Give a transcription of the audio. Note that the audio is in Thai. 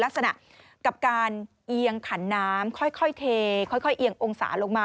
ลักษณะกับการเอียงขันน้ำค่อยเทค่อยเอียงองศาลงมา